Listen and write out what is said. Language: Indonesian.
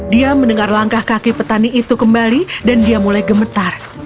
dia mendengar langkah kaki petani itu kembali dan dia mulai gemetar